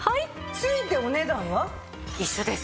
付いてお値段は？一緒です。